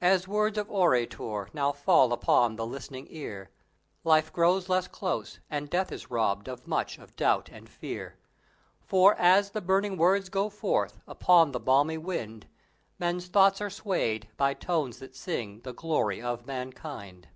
As words of orator now fall upon the listening ear, Life grows less close and Death is robbed of much of doubt and fear; For, as the burning words go forth upon the balmy wind, Men's thoughts are swayed by tones that sing the glory of mankind.